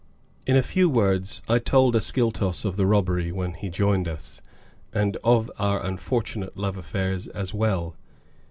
In a few words I told Ascyltos of the robbery, when he joined us, and of our unfortunate love affairs as well.